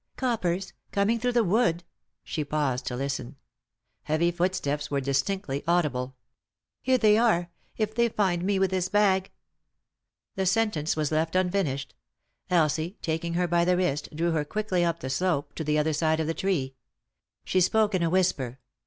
" Coppers ?— coming through the wood ?" She paused to listen. Heavy footsteps were distinctly audible. " Here they are. If they find me with this bag " The sentence was left unfinished. Elsie, taking her by the wrist, drew her quickly up the slope, to the other side of the tree. She spoke in a whisper.